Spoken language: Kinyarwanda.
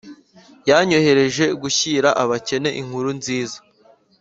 yanyohereje gushyira abakene inkuru nziza,